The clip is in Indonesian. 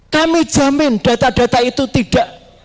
kami jamin data data itu tidak